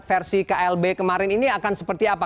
versi klb kemarin ini akan seperti apa